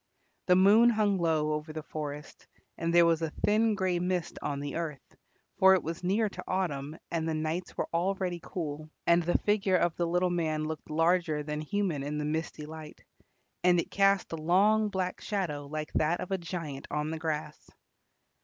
The moon hung low over the forest, and there was a thin grey mist on the earth, for it was near to autumn and the nights were already cool; and the figure of the little man looked larger than human in the misty light, and it cast a long black shadow like that of a giant on the grass.